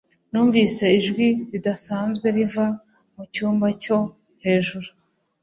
Numvise ijwi ridasanzwe riva mucyumba cyo hejuru